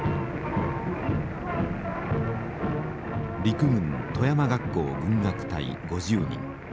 陸軍戸山学校軍楽隊５０人。